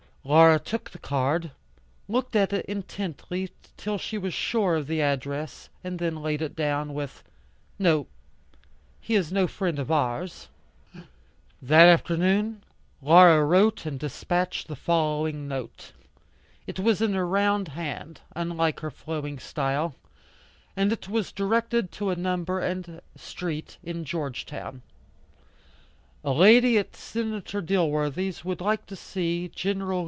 Laura took the card, looked at it intently till she was sure of the address, and then laid it down, with, "No, he is no friend of ours." That afternoon, Laura wrote and dispatched the following note. It was in a round hand, unlike her flowing style, and it was directed to a number and street in Georgetown: "A Lady at Senator Dilworthy's would like to see Col.